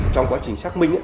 trong quá trình xác minh